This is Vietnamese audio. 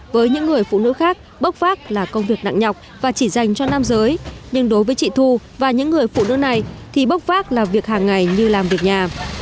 với những người phụ nữ khác bốc vác là công việc nặng nhọc và chỉ dành cho nam giới nhưng đối với chị thu và những người phụ nữ này thì bốc vác là việc hàng ngày như làm việc nhà